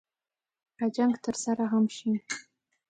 که جنګ ترسره هم شي.